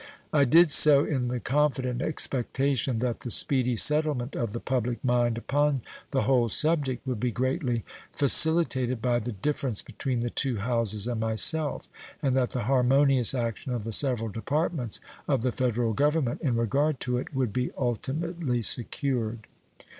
I did so in the confident expectation that the speedy settlement of the public mind upon the whole subject would be greatly facilitated by the difference between the two Houses and myself, and that the harmonious action of the several departments of the Federal Government in regard to it would be ultimately secured.